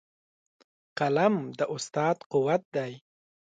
قلم د استاد قوت دی.